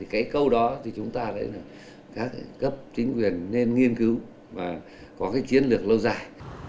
cái câu đó thì chúng ta đã gấp chính quyền nên nghiên cứu và có cái chiến lược lâu dài